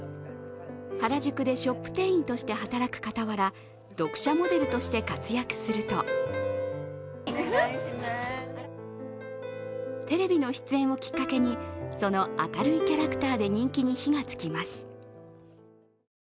原宿でショップ店員として働くかたわら、読者モデルとして活躍するとテレビの出演をきっかけにその明るいキャラクターで人気に火がつきます。